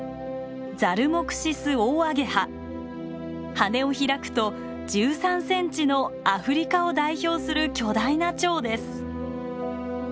羽を開くと１３センチのアフリカを代表する巨大なチョウです。